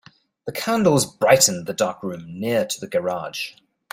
The candles brightened the dark room near to the garage.